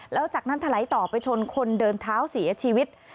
แล้วจากนั้นถลายต่อไปชนคนเดินเท้าเสียชีวิต